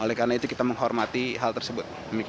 oleh karena itu kita menghormati hal tersebut